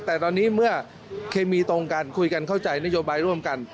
แต่ตอนนี้เมื่อเคมีตรงกันคุยกันเข้าใจนโยบายร่วมกัน